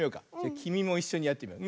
きみもいっしょにやってみよう。